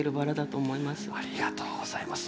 ありがとうございます。